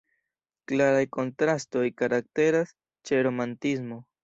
Klaraj kontrastoj karakteras ĉe romantismo.